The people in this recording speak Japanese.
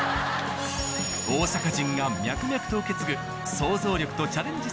大阪人が脈々と受け継ぐ創造力とチャレンジ